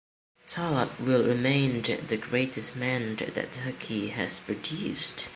Talat will remain the greatest man that Turkey has produced.